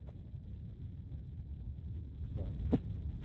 Tegza.